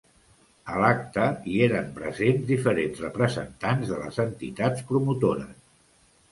A l’acte hi eren presents diferents representants de les entitats promotores.